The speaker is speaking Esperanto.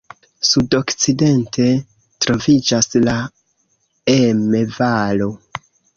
Sudokcidente troviĝas la Emme-Valo.